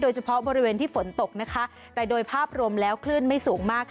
เฉพาะบริเวณที่ฝนตกนะคะแต่โดยภาพรวมแล้วคลื่นไม่สูงมาก